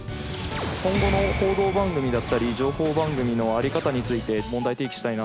今後の報道番組だったり情報番組のあり方について問題提起したいな。